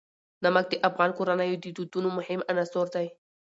نمک د افغان کورنیو د دودونو مهم عنصر دی.